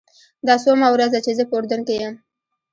دا څوومه ورځ ده چې زه په اردن کې یم.